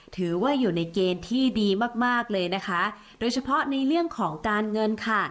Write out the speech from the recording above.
ถือว่าอยู่ในเกณฑ์ที่ดีมากมากเลยนะคะโดยเฉพาะในเรื่องของการเงินค่ะ